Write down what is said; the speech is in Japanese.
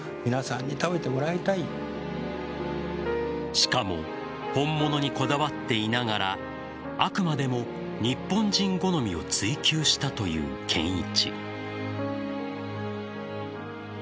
しかも本物にこだわっていながらあくまでも日本人好みを追求したという建一。